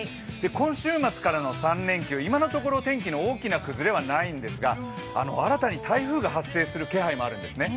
今週末からの３連休、今のところ天気の大きな崩れはないんですが新たに台風が発生する気配もあるんですね。